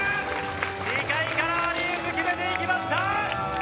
２階からアリウープ決めていきました！